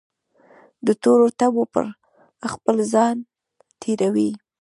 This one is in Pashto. دتورو تبو پرخپل ځان تیروي